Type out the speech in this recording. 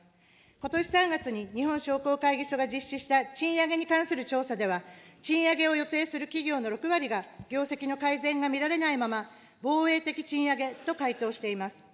ことし３月に日本商工会議所が実施した賃上げに関する調査では、賃上げを予定する企業の６割が業績の改善が見られないまま防衛的賃上げと回答しています。